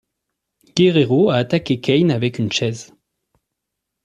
Guerrero a attaqué Kane avec une chaise.